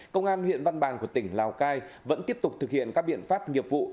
công an huyện văn bàn của tỉnh lào cai vẫn tiếp tục thực hiện các biện pháp nghiệp vụ